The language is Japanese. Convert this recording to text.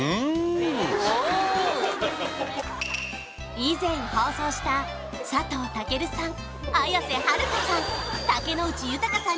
以前放送した佐藤健さん綾瀬はるかさん